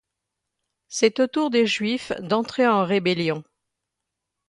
C'est au tour des Juifs d'entrer en rébellion.